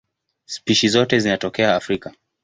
Spishi zote zinatokea Afrika.